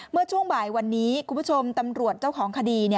เมื่อช่วงบ่ายวันนี้คุณผู้ชมตำรวจเจ้าของคดี